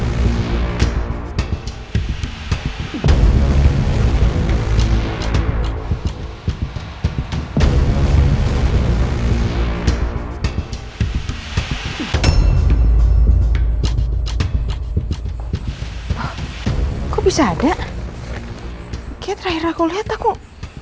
aku gak ngeliat aktor kelahiran